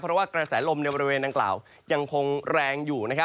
เพราะว่ากระแสลมในเวลาเกล่ายังคงแรงอยู่